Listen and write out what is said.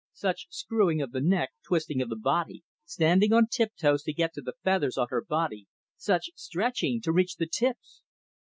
Such screwing of the neck, twisting of the body, standing on tiptoes to get to the feathers on her body, such stretching to reach the tips!